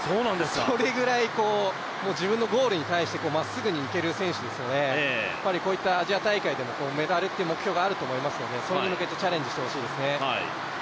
それぐらい、自分のゴールに対してまっすぐ行ける選手ですのでこういったアジア大会でもメダルという目標があると思うのでそれに向けてチャレンジしてほしいですね。